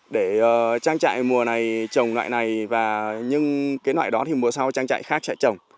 để trang trại mùa này trồng loại này và nhưng cái loại đó thì mùa sau trang trại khác sẽ trồng